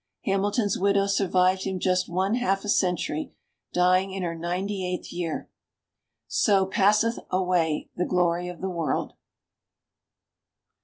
Hamilton's widow survived him just one half a century, dying in her ninety eighth year. So passeth away the glory of the world.